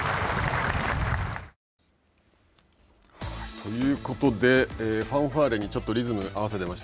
ということでファンファーレにリズムを合わせていました